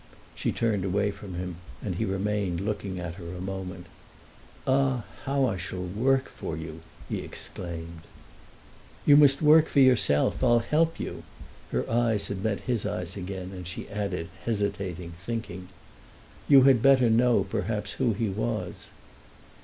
She turned away from him, and he remained looking at her a moment. "Ah, how I shall work for you!" he exclaimed. "You must work for yourself; I'll help you." Her eyes had met his eyes again, and she added, hesitating, thinking: "You had better know, perhaps, who he was."